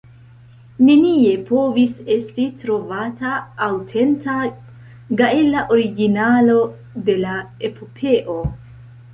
Nenie povis esti trovata aŭtenta gaela originalo de la epopeo.